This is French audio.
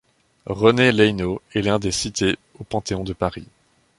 René Leynaud est l'un des cités au Panthéon de Paris.